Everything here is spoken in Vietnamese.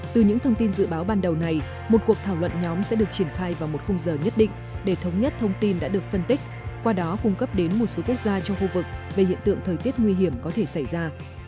từ những thông tin dự báo ban đầu này một cuộc thảo luận nhóm sẽ được triển khai vào một khung giờ nhất định để thống nhất thông tin đã được phân tích qua đó cung cấp đến một số quốc gia trong khu vực về hiện tượng thời tiết nguy hiểm có thể xảy ra